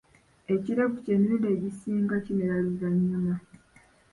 Ekirevu kyo emirundi egisinga kimera luvannyuma.